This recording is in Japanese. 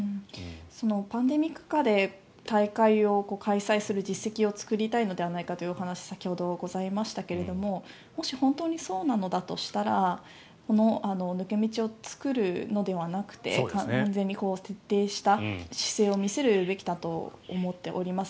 パンデミック下で大会を開催する実績を作りたいのではないかというお話が先ほどございましたけどもし本当にそうなのだとしたら抜け道を作るのではなくて完全に徹底した姿勢を見せるべきだと思っております。